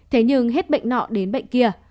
thế nhưng hết bệnh nọ đến bệnh kia